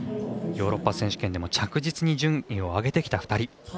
ヨーロッパ選手権でも着実に順位を上げてきた２人。